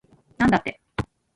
なんだって